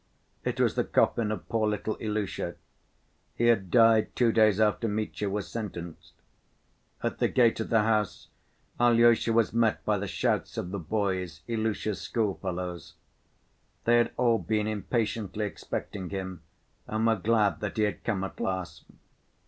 It was the coffin of poor little Ilusha. He had died two days after Mitya was sentenced. At the gate of the house Alyosha was met by the shouts of the boys, Ilusha's schoolfellows. They had all been impatiently expecting him and were glad that he had come at last.